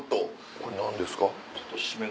これ何ですか？